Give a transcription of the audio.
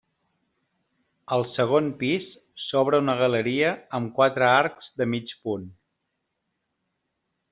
Al segon pis s'obre una galeria amb quatre arcs de mig punt.